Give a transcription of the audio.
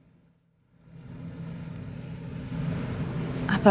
saya tak akan berani